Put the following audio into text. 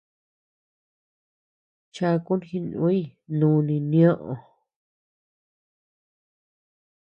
Chakun jinùy núni nioʼö.